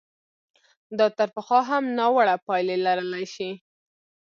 دا تر پخوا هم ناوړه پایلې لرلای شي.